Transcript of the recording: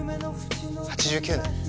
８９年。